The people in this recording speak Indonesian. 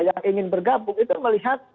yang ingin bergabung itu melihat